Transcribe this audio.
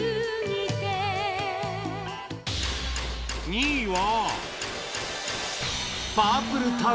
２位は